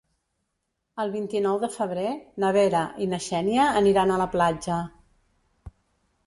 El vint-i-nou de febrer na Vera i na Xènia aniran a la platja.